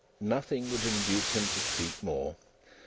Nothing would induce him to speak more.